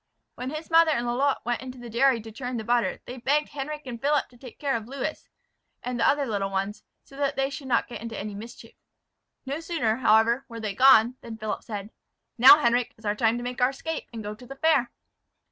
When his mother and Lalotte went into the dairy to churn the butter they begged Henric and Philip to take care of Lewis and the other little ones, so that they should not get into any mischief. No sooner, however, were they gone, than Philip said, "Now, Henric, is our time to make our escape, and go to the fair."